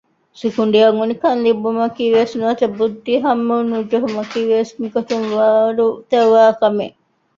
ސިކުނޑިޔަށް އުނިކަން ލިބުމަކީވެސް ނުވަތަ ބުއްދިހަމަނުޖެހުމަކީވެސް މިގޮތުން ވާރުތަވާކަމެއް